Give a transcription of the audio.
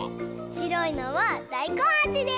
しろいのはだいこんあじです！